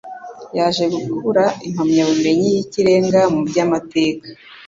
yaje gukura impamyabumenyi y'ikirenga mu by'amateka